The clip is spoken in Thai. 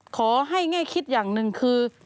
ขอให้แง่คิดอย่างหนึ่งคือ